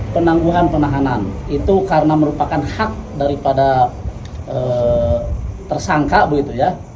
penangguhan penahanan itu karena merupakan hak daripada tersangka begitu ya